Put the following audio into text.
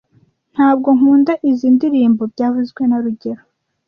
Ntabwo nkunda izoi ndirimbo byavuzwe na rugero